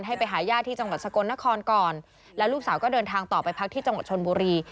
ให้ไปหาญาติที่จังหวัดสกลนครก่อนแล้วลูกสาวก็เดินทางต่อไปพักที่จังหวัดชนบุรี